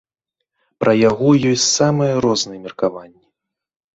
Пра яго ёсць самыя розныя меркаванні.